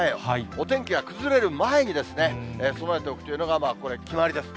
お天気が崩れる前に備えておくというのが、これ、決まりです。